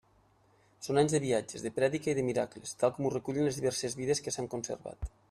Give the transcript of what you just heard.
Són anys de viatges, de prèdica i de miracles, tal com ho recullen les diverses vides que s'han conservat.